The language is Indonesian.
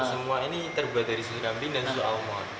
semua ini terbuat dari susu kambing dan susu almon